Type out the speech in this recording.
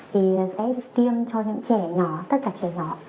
thì sẽ tiêm cho những trẻ nhỏ tất cả trẻ nhỏ